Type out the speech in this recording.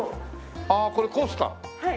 ああこれコースター？はい。